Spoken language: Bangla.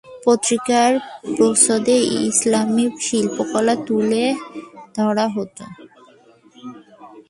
পত্রিকার প্রচ্ছদে ইসলামি শিল্পকলা তুলে ধরা হত।